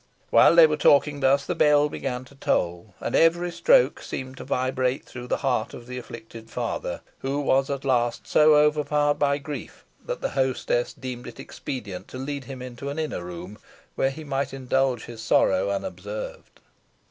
While they were talking thus, the bell began to toll, and every stroke seemed to vibrate through the heart of the afflicted father, who was at last so overpowered by grief, that the hostess deemed it expedient to lead him into an inner room, where he might indulge his sorrow unobserved.